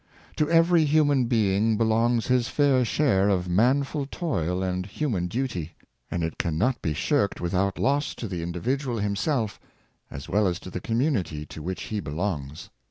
To every human being belongs his 'fair share of manful toil and human duty; and it can not be shirked without loss to the indi vidual himself, as well as to the community to which he belongs.